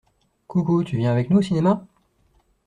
Coucou, tu viens avec nous au cinéma?